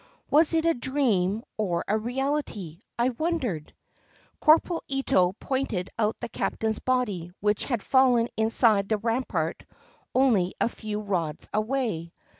Was it a dream or a reality, I wondered? Corporal Ito pointed out the captain's body, which had fallen inside the rampart only a few rods away.